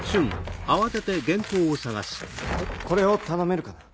これを頼めるかな？